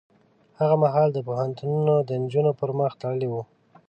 هغه مهال پوهنتونونه د نجونو پر مخ تړلي وو.